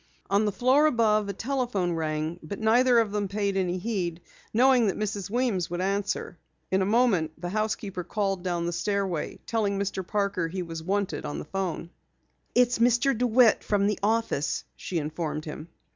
On the floor above a telephone rang, but neither of them paid any heed, knowing that Mrs. Weems would answer. In a moment the housekeeper called down the stairway, telling Mr. Parker he was wanted on the 'phone. "It's Mr. DeWitt from the office," she informed him.